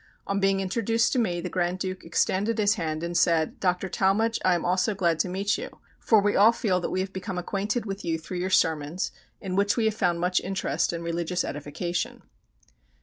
On being introduced to me the Grand Duke extended his hand and said, "Dr. Talmage, I am also glad to meet you, for we all feel that we have become acquainted with you through your sermons, in which we have found much interest and religious edification."